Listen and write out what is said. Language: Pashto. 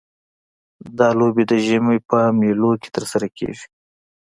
دا لوبې د ژمي په میلوں کې ترسره کیږي